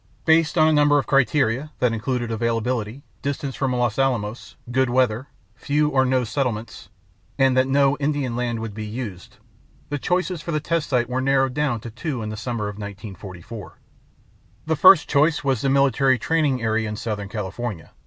Based on a number of criteria that included availability, distance from Los Alamos, good weather, few or no settlements, and that no Indian land would be used, the choices for the test site were narrowed down to two in the summer of 1944. First choice was the military training area in southern California.